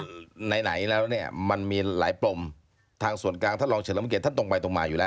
คือไหนแล้วเนี่ยมันมีหลายปรมทางส่วนกลางท่านรองเฉลิมเกียจท่านตรงไปตรงมาอยู่แล้ว